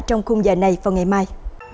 trong khung giờ này vào ngày mai